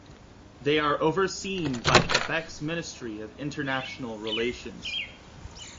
They are overseen by Quebec's Ministry of International Relations.